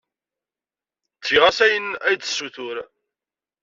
Ttgeɣ-as ayen ay d-tessutur.